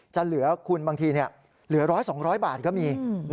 จะเหลือคุณบางทีเหลือ๑๐๐๒๐๐บาทก็มี